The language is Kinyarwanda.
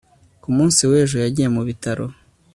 ku munsi w'ejo yagiye mu bitaro